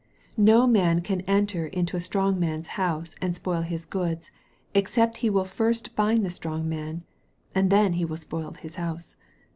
27 No man can enter into a strong man's house, and spoil his goods, ex cept he will first bind the strong man ; and then he will spoil his house.